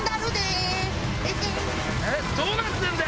どうなってんだ